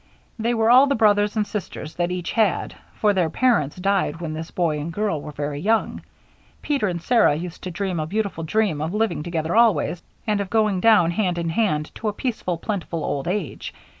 They were all the brothers and sisters that each had, for their parents died when this boy and girl were very young. Peter and Sarah used to dream a beautiful dream of living together always, and of going down hand in hand to a peaceful, plentiful old age.